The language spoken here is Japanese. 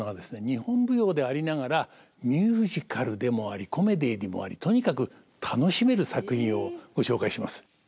日本舞踊でありながらミュージカルでもありコメディーでもありとにかく楽しめる作品をご紹介します。